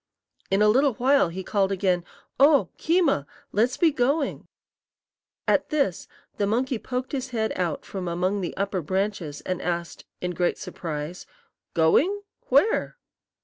In a little while he called again: "Oh, Keema! let's be going." At this the monkey poked his head out from among the upper branches and asked, in great surprise, "Going? Where?"